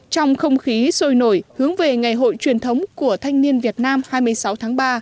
trong không khí sôi nổi hướng về ngày hội truyền thống của thanh niên việt nam hai mươi sáu tháng ba